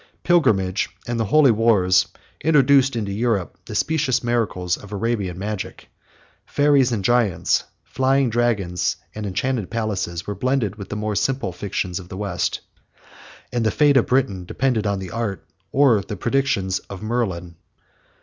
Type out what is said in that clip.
Pilgrimage, and the holy wars, introduced into Europe the specious miracles of Arabian magic. Fairies and giants, flying dragons, and enchanted palaces, were blended with the more simple fictions of the West; and the fate of Britain depended on the art, or the predictions, of Merlin.